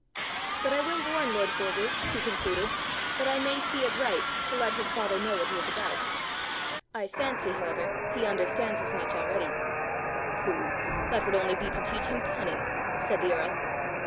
"But I will warn lord Forgue," he concluded, "that I may see it right to let his father know what he is about. I fancy, however, he understands as much already." "Pooh! that would be only to teach him cunning," said the earl.